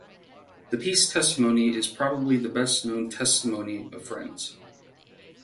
The Peace Testimony is probably the best known testimony of Friends.